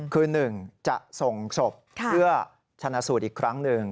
คือ๑จะส่งศพเพื่อชนะสูตรอีกครั้งหนึ่ง